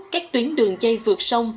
các tuyến đường chay vượt sông